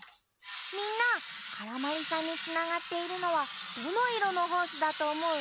みんなからまりさんにつながっているのはどのいろのホースだとおもう？